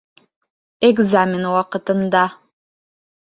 Экзамен ваҡытында